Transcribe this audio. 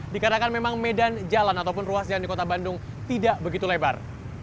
dikarenakan memang medan jalan ataupun ruas jalan di kota bandung tidak begitu lebar